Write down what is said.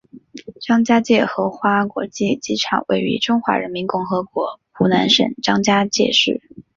张家界荷花国际机场位于中华人民共和国湖南省张家界市。